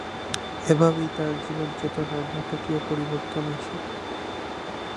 এভাবেই তার জীবনচেতনায় নাটকীয় পরিবর্তন আসে।